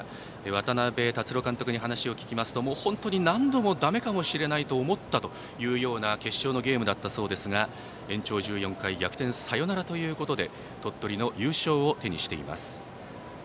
渡辺達郎監督に話を聞きますと本当に、何度もだめかもしれないと思ったというような決勝のゲームだったそうですが延長１４回、逆転サヨナラで鳥取の優勝を手にしています。